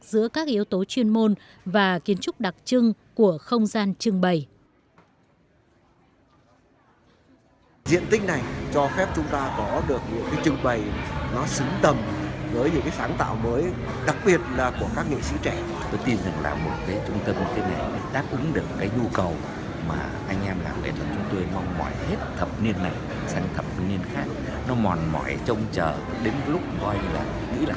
giữa các yếu tố chuyên môn và kiến trúc đặc trưng của không gian trưng bày